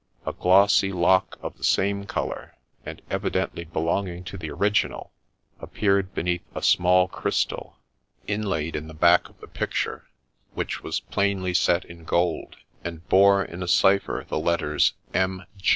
A glossy lock of the same colour, and evidently belonging to the original, appeared beneath a small crystal, inlaid in the back of the picture, which was plainly set in gold, and bore in a cipher the letters M.